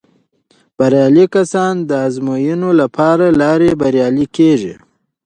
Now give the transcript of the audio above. بریالي کسان د ازموینو له لارې بریالي کیږي.